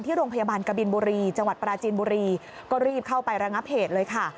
โรงพยาบาลกบินบุรีจังหวัดปราจีนบุรีก็รีบเข้าไประงับเหตุเลยค่ะ